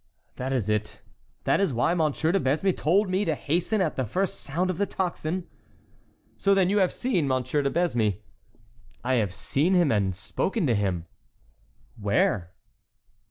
"That is it. That is why Monsieur de Besme told me to hasten at the first sound of the tocsin." "So then you have seen Monsieur de Besme?" "I have seen him and spoken to him." "Where?"